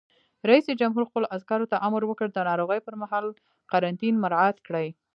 رئیس جمهور خپلو عسکرو ته امر وکړ؛ د ناروغۍ پر مهال قرنطین مراعات کړئ!